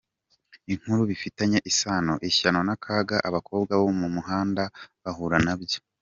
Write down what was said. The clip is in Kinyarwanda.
Inkuru bifitanye isano: Ishyano n’akaga abakobwa bo mu muhanda bahura nabyo.